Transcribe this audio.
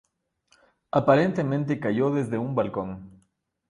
Aparentemente cayó desde un balcón.